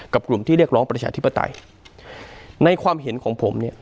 กลุ่มที่เรียกร้องประชาธิปไตยในความเห็นของผมเนี่ย